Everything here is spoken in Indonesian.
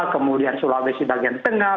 kemudian sulawesi bagian tengah